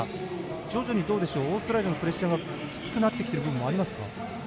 徐々にオーストラリアのプレッシャーがきつくなっている部分もありますか。